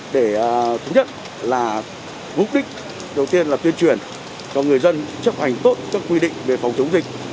để thứ nhất là mục đích đầu tiên là tuyên truyền cho người dân chấp hành tốt các quy định về phòng chống dịch